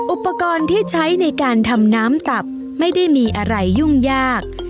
อุปกรณ์ที่ใช้ในการทำน้ำตับไม่ได้มีอะไรยุ่งยาก